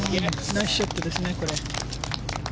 ナイスショットですねこれ。